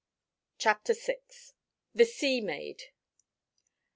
CHAPTER VI. THE SEA MAID.